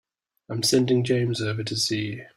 I'm sending James over to see you.